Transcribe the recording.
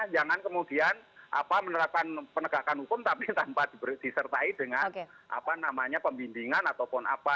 jangan kemudian apa menerapkan penegakan hukum tapi tanpa disertai dengan apa namanya pembindingan ataupun apa